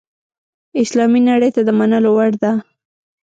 اسلامي نړۍ ته د منلو وړ ده.